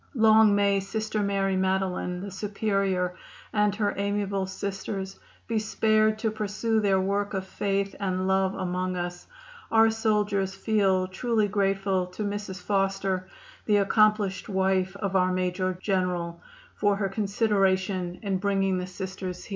Long may Sister Mary Madeline, the Superior, and her amiable Sisters be spared to pursue their work of faith and love among us. Our soldiers feel truly grateful to Mrs. Foster, the accomplished wife of our Major General, for her consideration in bringing the Sisters here."